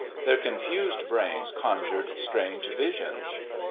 Their confused brains conjured strange visions.